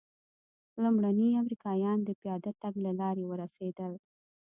لومړني امریکایان د پیاده تګ له لارې ورسېدل.